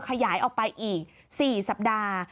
ขยายออกไปอีก๔สัปดาห์